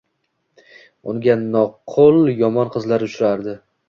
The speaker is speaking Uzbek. Unga nuqul yomon qizlar uchrardi